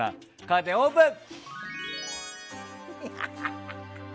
カーテンオープン！